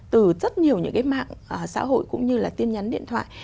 từ rất nhiều những cái mạng xã hội cũng như là tin nhắn điện thoại